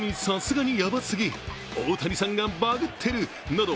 など